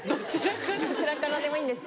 どちらからでもいいんですけど。